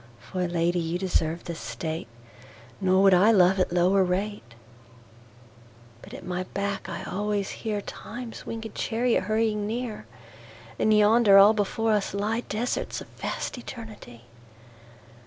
For Lady you deserve this State; Nor would I love at lower rate. But at my back I alwaies hearTimes winged Charriot hurrying near:And yonder all before us lyeDesarts of vast Eternity.